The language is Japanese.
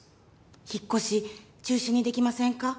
引っこし中止にできませんか？